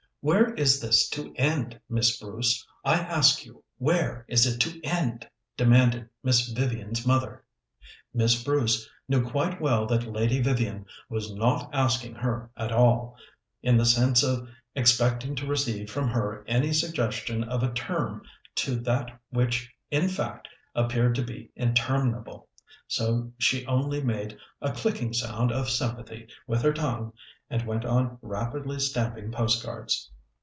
"Where is this to end, Miss Bruce? I ask you, where is it to end?" demanded Miss Vivian's mother. Miss Bruce knew quite well that Lady Vivian was not asking her at all, in the sense of expecting to receive from her any suggestion of a term to that which in fact appeared to be interminable, so she only made a clicking sound of sympathy with her tongue and went on rapidly stamping postcards.